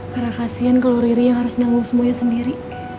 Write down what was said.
karena kasian kalo riri yang harus nanggung semuanya sendiri